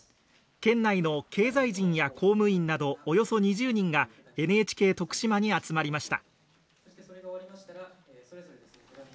県内の経済人や公務員などおよそ２０人がＮＨＫ徳島に集まりました。